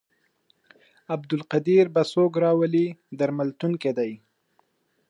عبدالقدیر به څوک راولي درملتون کې دی.